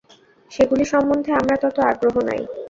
সেগুলি সম্বন্ধে আমরা তত আগ্রহ নাই।